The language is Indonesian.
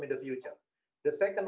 kita harus memastikan